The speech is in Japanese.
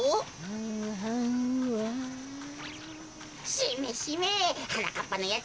しめしめはなかっぱのやつ